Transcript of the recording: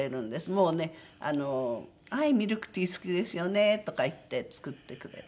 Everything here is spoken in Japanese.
もうねあの「はいミルクティー好きですよね」とか言って作ってくれる。